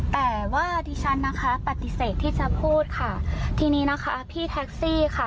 แต่ว่าดิฉันนะคะปฏิเสธที่จะพูดค่ะทีนี้นะคะพี่แท็กซี่ค่ะ